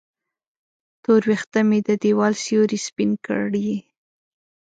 تور وېښته مې د دیوال سیورې سپین کړي